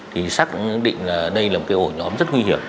thì xác định là đây là một cái ổ nhóm rất nguy hiểm